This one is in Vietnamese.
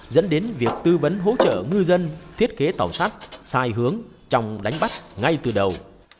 dẫn đến việc tư vấn hỗ trợ ngư dân thiết kế tàu sắt sai hướng trong đánh bắt ngay từ đầu